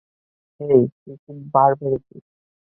হেই, তুই খুব বাড় বেড়েছিস।